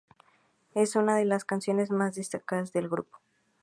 Es una de las canciones más destacadas del grupo.